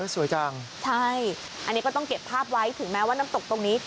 สวยจังใช่อันนี้ก็ต้องเก็บภาพไว้ถึงแม้ว่าน้ำตกตรงนี้